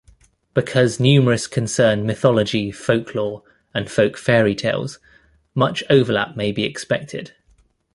Because numerous concern mythology, folklore, and folk fairy tales, much overlap may be expected.